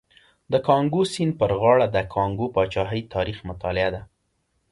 د کانګو سیند پر غاړه د کانګو پاچاهۍ تاریخ مطالعه ده.